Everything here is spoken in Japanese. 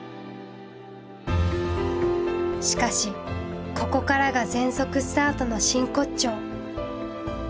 しかしここからが全速スタートの真骨頂。